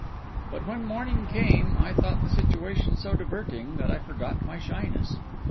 But when morning came, I thought the situation so diverting that I forgot my shyness.